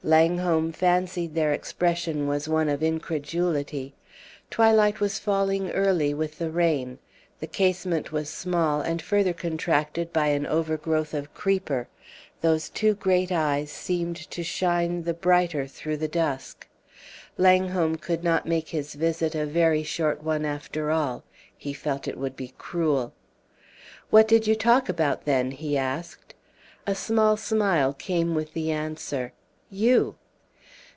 Langholm fancied their expression was one of incredulity. Twilight was falling early with the rain; the casement was small, and further contracted by an overgrowth of creeper; those two great eyes seemed to shine the brighter through the dusk. Langholm could not make his visit a very short one, after all. He felt it would be cruel. "What did you talk about, then?" he asked. A small smile came with the answer, "You!"